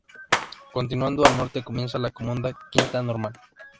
Continuando al norte comienza la comuna de Quinta Normal.